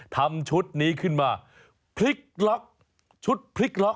ทำชุดนี้ขึ้นมาพลิกล็อกชุดพลิกล็อก